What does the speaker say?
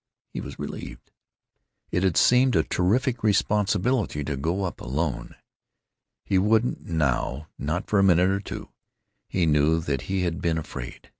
He was relieved. It had seemed a terrific responsibility to go up alone. He wouldn't, now, not for a minute or two. He knew that he had been afraid.